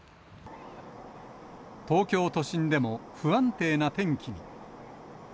東京都心でも不安定な天気に。